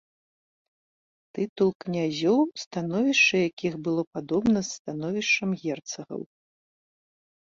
Тытул князёў, становішча якіх было падобна з становішчам герцагаў.